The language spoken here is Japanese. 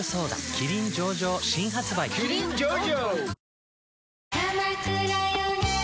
「キリン上々」新発売キリン上々！